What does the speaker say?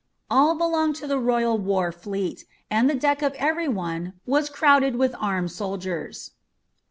All belonged to the royal war fleet, and the deck of every one was crowded with armed soldiers.